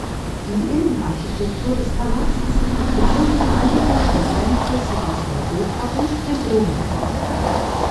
Die Innenarchitektur des Palasts betont die Vereinigung von Einflüssen aus Europa und dem Orient.